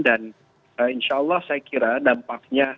dan insya allah saya kira dampaknya